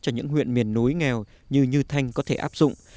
cho những huyện miền núi nghèo như thanh có thể áp dụng